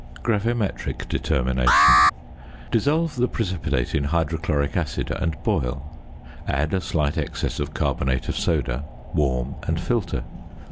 GRAVIMETRIC DETERMINATION. Dissolve the precipitate in hydrochloric acid, and boil; add a slight excess of carbonate of soda, warm, and filter.